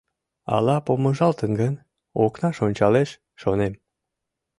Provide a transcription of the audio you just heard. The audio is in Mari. «Ала помыжалтын гын, окнаш ончалеш», — шонем.